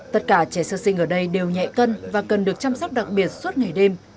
tất cả trẻ sơ sinh ở đây đều nhẹ cân và cần được chăm sóc đặc biệt suốt ngày đêm